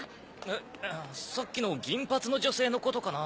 さっきの銀髪の女性のことかな？